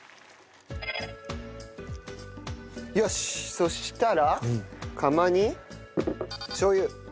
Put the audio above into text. そしたら釜にしょう油。